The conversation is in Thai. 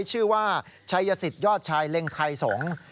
ชื่อว่าชัยสิทธิยอดชายเล็งไทยสงศ์